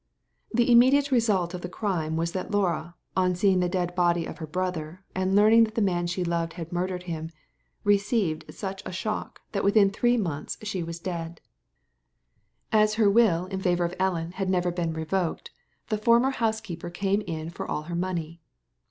The immediate result of the crime was that Laura, on seeing the dead body of her brother, and learning that the man she loved had murdered him, received such a shock that within three months she was dead. Digitized by Google 64 THE LADY FROM NOWHERE As her will in favour of Ellen had never been revoked, the former housekeeper came in for all her money.